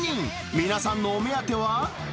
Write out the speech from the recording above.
皆さんのお目当ては？